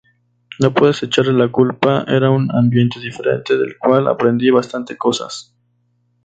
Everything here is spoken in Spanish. No puedes echarle la culpa, era un ambiente diferente del cual aprendí bastantes cosas.